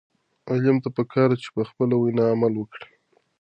عالم ته پکار ده چې په خپله وینا عمل وکړي.